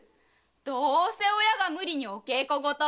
どうせ親が無理にお稽古事を。